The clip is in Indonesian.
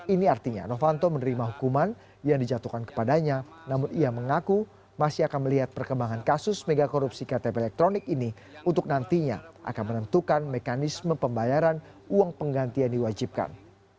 ini artinya novanto menerima hukuman yang dijatuhkan kepadanya namun ia mengaku masih akan melihat perkembangan kasus megakorupsi ktp elektronik ini untuk nantinya akan menentukan mekanisme pembayaran uang penggantian diwajibkan